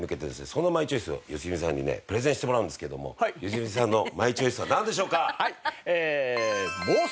そんなマイチョイスを良純さんにねプレゼンしてもらうんですけども良純さんのマイチョイスはなんでしょうか？